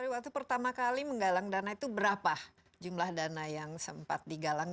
waktu pertama kali menggalang dana itu berapa jumlah dana yang sempat digalang